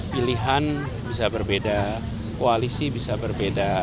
pilihan bisa berbeda koalisi bisa berbeda